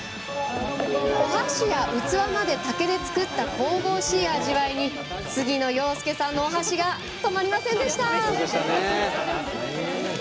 お箸や器まで竹で作った神々しい味わいに杉野遥亮さんのお箸が止まりませんでした！